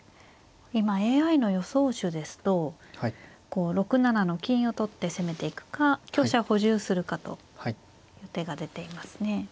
今ＡＩの予想手ですと６七の金を取って攻めていくか香車を補充するかという手が出ていますね。